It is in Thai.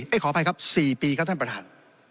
ขออภัยครับ๔ปีครับท่านประธาน